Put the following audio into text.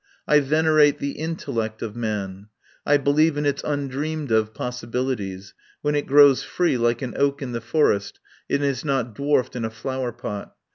I venerate the intellect of man. I believe in its un dreamed of possibilities, when it grows free like an oak in the forest and is not dwarfed in a flower pot.